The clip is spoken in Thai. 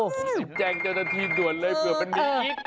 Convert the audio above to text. จิ๊บแจงจนนาทีต่วนเลยเผื่อมันมีอีก